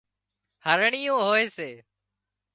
هرڻيئيون هوئي سي